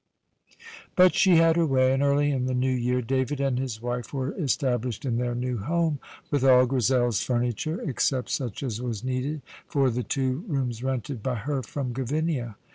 But she had her way, and early in the new year David and his wife were established in their new home, with all Grizel's furniture, except such as was needed for the two rooms rented by her from Gavinia.